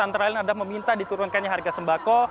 antara lain adalah meminta diturunkannya harga sembako